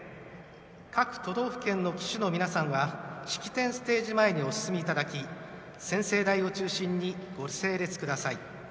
各都道府県の旗手の皆さんは式典ステージ前にお進みいただきご聖台を中心にご整列ください。